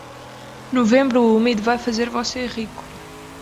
Novembro úmido vai fazer você rico.